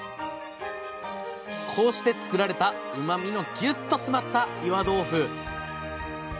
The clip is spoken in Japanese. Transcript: こうして作られたうまみのギュッと詰まった岩豆腐！